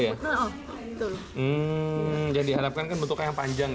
hmm jadi diharapkan kan bentuknya yang panjang ya